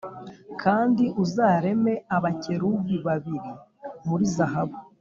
Kandi uzareme abakerubi babiri muri zahabu